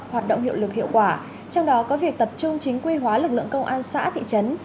hoạt động hiệu lực hiệu quả trong đó có việc tập trung chính quy hóa lực lượng công an xã thị trấn